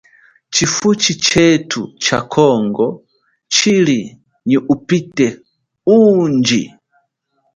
Tshifuchi tshetu tsha congo tshili nyi ubite undji.